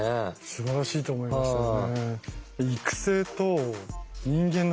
すばらしいと思いますね。